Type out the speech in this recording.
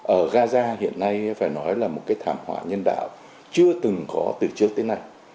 ở gaza hiện nay phải nói là một cái thảm họa nhân đạo chưa từng có từ trước tới nay